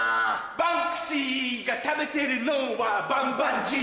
バンクシーが食べてるのはバンバンジー！